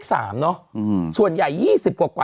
มีสารตั้งต้นเนี่ยคือยาเคเนี่ยใช่ไหมคะ